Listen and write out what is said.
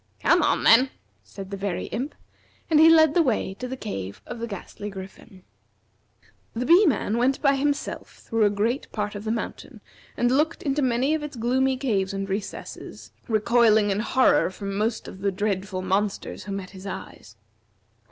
"Come on, then," said the Very Imp, and he led the way to the cave of the Ghastly Griffin. The Bee man went by himself through a great part of the mountain, and looked into many of its gloomy caves and recesses, recoiling in horror from most of the dreadful monsters who met his eyes.